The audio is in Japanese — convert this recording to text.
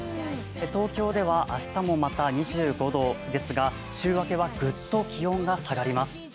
東京では明日もまた２５度ですが、週明けはグッと気温が下がります。